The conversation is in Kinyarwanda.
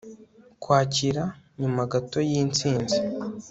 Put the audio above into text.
Kwakira nyuma gato y insinzi